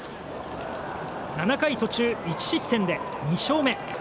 ７回途中１失点で２勝目。